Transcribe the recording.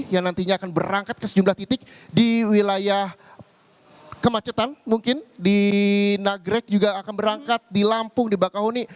yang nantinya akan berangkat ke sejumlah titik di wilayah kemacetan mungkin di nagrek juga akan berangkat di lampung di bakahuni